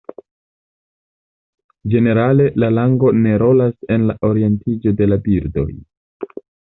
Ĝenerale, la lango ne rolas en la orientiĝo de la birdoj.